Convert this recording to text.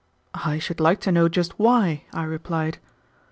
"I should like to know just why," I replied.